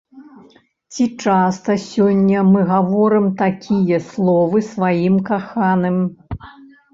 Ці часта сёння мы гаворым такія словы сваім каханым?